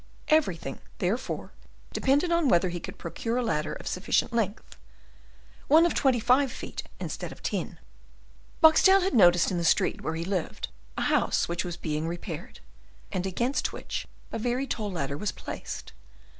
Everything, therefore, depended upon whether he could procure a ladder of sufficient length, one of twenty five feet instead of ten. Boxtel had noticed in the street where he lived a house which was being repaired, and against which a very tall ladder was placed.